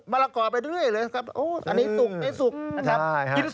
ละกอไปเรื่อยเลยครับอันนี้สุกไม่สุกนะครับ